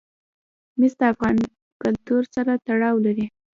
مس د افغان کلتور سره تړاو لري.